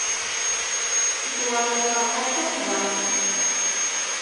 Ddwa n lqerḥ-a d tuqqda.